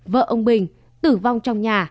vợ ông bình tử vong trong nhà